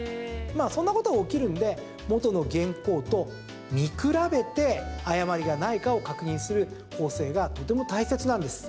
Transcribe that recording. そんなことが起きるんで元の原稿と見比べて誤りがないかを確認する校正がとても大切なんです。